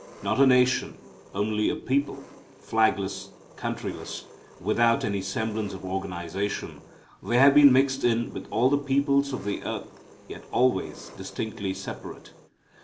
Not a nation, only a people, flagless, countryless, without any semblance of organization, they have been mixed in with all the peoples of the earth, yet always distinctly separate.